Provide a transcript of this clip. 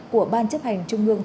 của ban chấp hành trung ương